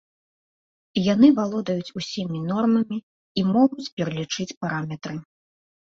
Яны валодаюць усімі нормамі і могуць пералічыць параметры.